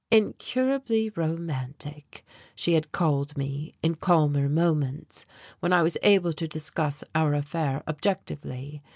"Incurably romantic," she had called me, in calmer moments, when I was able to discuss our affair objectively.